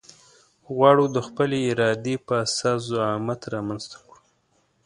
غواړو د خپلې ارادې په اساس زعامت رامنځته کړو.